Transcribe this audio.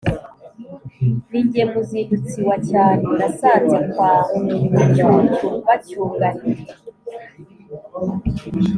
Ni jye muzindutsi wa cyane nasanze kwa Bucyucyu bacyugarite